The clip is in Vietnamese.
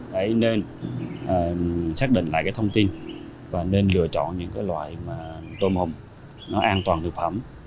đấy nên xác định lại cái thông tin và nên lựa chọn những loại tôm hùm an toàn thực phẩm